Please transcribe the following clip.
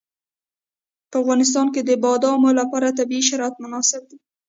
په افغانستان کې د بادامو لپاره طبیعي شرایط مناسب دي.